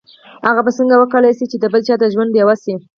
هغه به څنګه وکولای شي د بل چا د ژوند ډيوه شي.